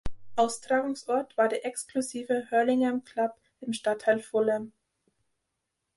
Austragungsort war der exklusive Hurlingham Club im Stadtteil Fulham.